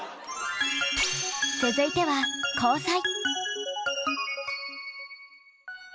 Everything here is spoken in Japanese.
続いては交際。